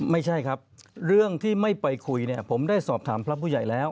ไม่ใช่ครับเรื่องที่ไม่ไปคุยเนี่ยผมได้สอบถามพระผู้ใหญ่แล้ว